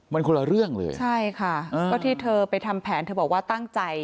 มันคนละเรื่องเลยใช่ค่ะก็ที่เธอไปทำแผนเธอบอกว่าตั้งใจ